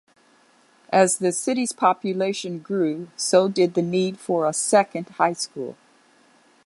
As the city's population grew, so did the need for a second high school.